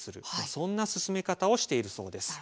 そんな進め方をしているそうです。